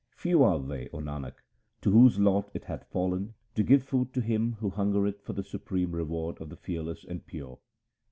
Few are they, O Nanak, to whose lot it hath fallen to give food to him Who hungereth for the supreme reward of the Fearless and Pure.